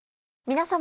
皆様。